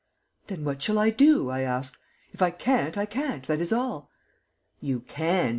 "Then what shall I do?" I asked. "If I can't, I can't, that is all." "You can.